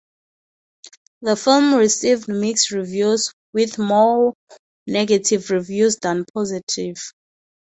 The film received mixed reviews, with more negative reviews than positive.